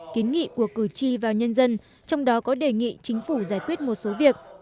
kiến nghị của cử tri và nhân dân trong đó có đề nghị chính phủ giải quyết một số việc